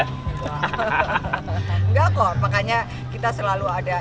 enggak kok makanya kita selalu ada